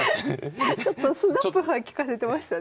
ちょっとスナップ利かせてましたね。